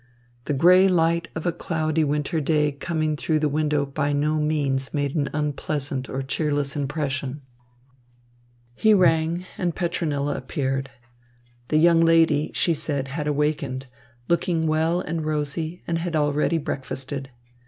The grey light of a cloudy winter day coming through the window by no means made an unpleasant or cheerless impression. He rang, and Petronilla appeared. The young lady, she said, had awakened, looking well and rosy, and had already breakfasted.